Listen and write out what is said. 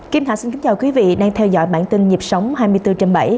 kim thạch xin kính chào quý vị đang theo dõi bản tin nhịp sống hai mươi bốn trên bảy